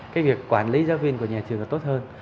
cái việc quản lý giáo viên của nhà trường là tốt hơn